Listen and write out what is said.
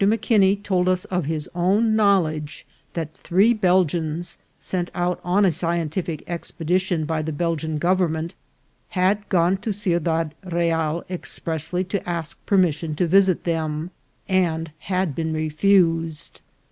M'Kinney told us of his own knowl edge that three Belgians, sent out on a scientific expe dition by the Belgian government, had gone to Ciudad Real expressly ^o ask permission to visit them, and had been refused.